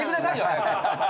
早く。